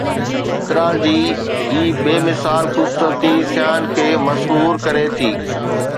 چترال جي هي بي مثال خوبصورتي سياحن کي مسحور ڪري ٿي